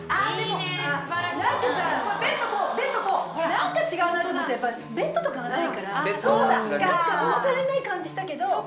なんか違うなと思ったらやっぱベッドとかがないからなんか物足りない感じしたけど。